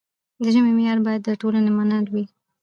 د ژبې معیار باید د ټولنې منل وي.